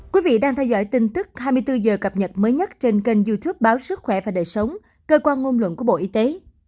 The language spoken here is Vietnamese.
quý vị đang theo dõi tin tức hai mươi bốn h cập nhật mới nhất trên kênh youtube báo sức khỏe và đời sống cơ quan ngôn luận của bộ y tế